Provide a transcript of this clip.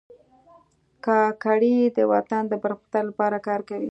کاکړي د وطن د پرمختګ لپاره کار کوي.